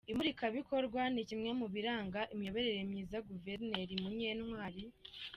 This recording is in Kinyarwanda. Imurikabikorwa ni kimwe mu biranga imiyoborere myiza-Guverineri Munyantwari